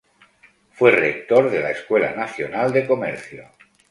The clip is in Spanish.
Fue rector de la escuela nacional de comercio.